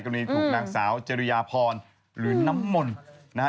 ถูกนางสาวจริยาพรหรือน้ำมนต์นะฮะ